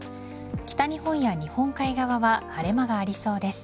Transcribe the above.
北日本や日本海側は晴れ間がありそうです。